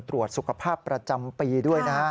ตรวจสุขภาพประจำปีด้วยนะฮะ